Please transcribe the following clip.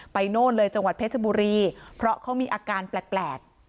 โน่นเลยจังหวัดเพชรบุรีเพราะเขามีอาการแปลก